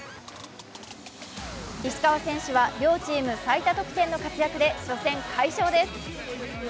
石川選手は両チーム最多得点の活躍で初戦快勝です。